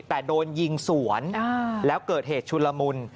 แต่โดนยิงสวนแล้วเกิดเหตุชุลมุน